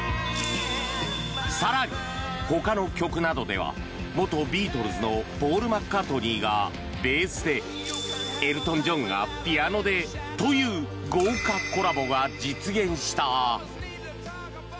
更に、ほかの曲などでは元ビートルズのポール・マッカートニーがベースでエルトン・ジョンがピアノでという豪華コラボが実現した。